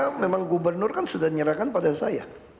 karena memang gubernur kan sudah menyerahkan pada saya